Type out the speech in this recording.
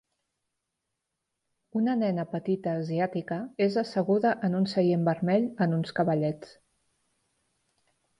Una nena petita asiàtica és asseguda en un seient vermell en uns cavallets.